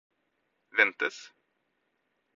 ventes